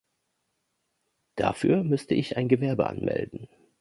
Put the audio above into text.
Dafür müsste ich ein Gewerbe anmelden.